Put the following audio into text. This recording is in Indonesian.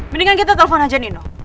mendingan kita telepon aja nino